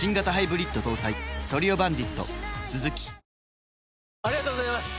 「氷結」ありがとうございます！